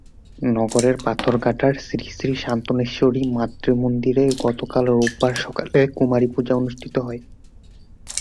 নগরের পাথরঘাটার শ্রীশ্রী শান্তনেশ্বরী মাতৃমন্দিরে গতকাল রোববার সকালে কুমারী পূজা অনুষ্ঠিত হয়।